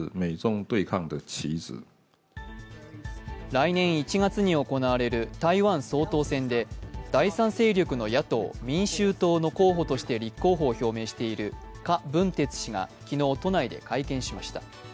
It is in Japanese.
来年１月に行われる台湾総統選で第３勢力の野党・民衆党の候補として立候補を表明している柯分哲氏が、昨日、都内で会見しました。